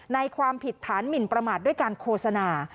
ความผิดฐานหมินประมาทด้วยการโฆษณา